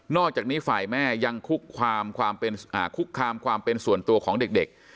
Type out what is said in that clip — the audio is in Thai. อกจากนี้ฝ่ายแม่ยังคุกคามความเป็นส่วนตัวของเด็ก